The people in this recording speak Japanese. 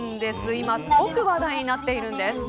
今、すごく話題になっているんです。